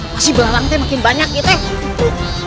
masih belalang teh makin banyak nih teh